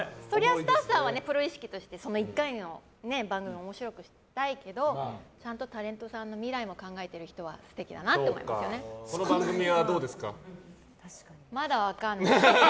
スタッフさんはプロ意識としてその１回の番組面白くしたいけどちゃんとタレントさんの未来を考えている人はこの番組はどうですか？